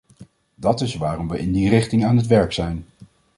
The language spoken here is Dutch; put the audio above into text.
Dat is waarom we in die richting aan het werk zijn.